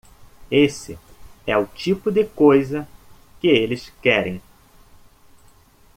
Esse é o tipo de coisa que eles querem.